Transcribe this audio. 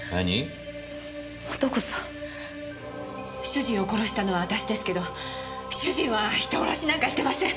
主人を殺したのは私ですけど主人は人殺しなんかしてません。